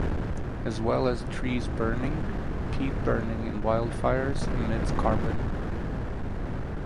As well as trees burning peat burning in wildfires emits carbon.